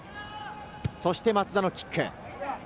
そして松田のキック。